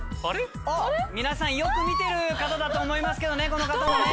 皆さんよく見てる方だと思いますけどねこの方ね。